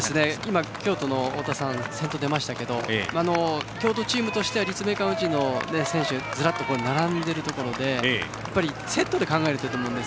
今、京都先頭に出ましたが京都チームとしては立命館宇治の選手がずらっと並んでいるところでセットで考えると思います。